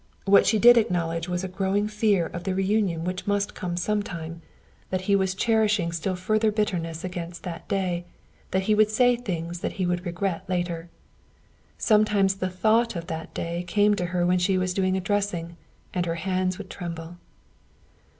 What she did acknowledge was a growing fear of the reunion which must come sometime that he was cherishing still further bitterness against that day, that he would say things that he would regret later. Sometimes the thought of that day came to her when she was doing a dressing, and her hands would tremble.